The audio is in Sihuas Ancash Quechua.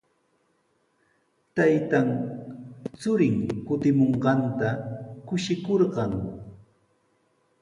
Taytan churin kutimunqanta kushikurqan.